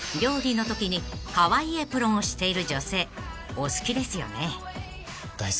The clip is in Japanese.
［お好きですよね？］